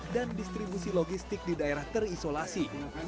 dan distribusi logistik di daerah terisolasi